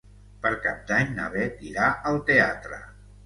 Per Cap d'Any na Beth irà al teatre.